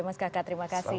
mas kakak terima kasih